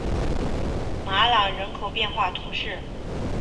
马朗人口变化图示